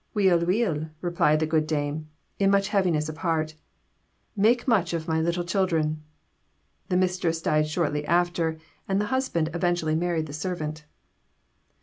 'Wel, wel,' replied the good dame, in much heaviness of heart, 'make much of my little children!' The mistress died shortly after, and the husband eventually married the servant.